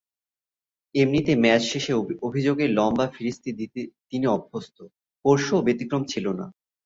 এমনিতে ম্যাচ শেষে অভিযোগের লম্বা ফিরিস্তি দিতে তিনি অভ্যস্ত, পরশুও ব্যতিক্রম ছিল না।